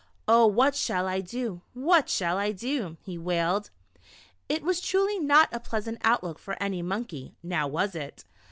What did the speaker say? Oh, what shall I do, what shall I do ?" he wailed. It was truly not a pleasant outlook for any monkey, now was it